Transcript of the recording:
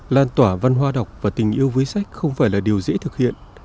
lan tỏa văn hóa đọc và tình yêu với sách không phải là điều dễ thực hiện